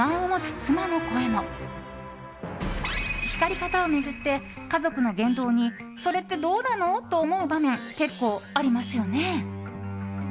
叱り方を巡って、家族の言動にそれってどうなの？と思う場面結構ありますよね。